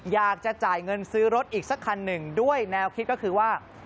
อยากจะจ่ายเงินซื้อรถอีกสักคันหนึ่งด้วยแนวคิดก็คือว่า